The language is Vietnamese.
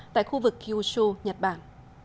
tại khu vực kyushu nhật bản